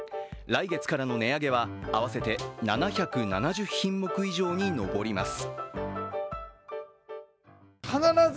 来月からの値上げは合わせて７７０品目以上に上ります。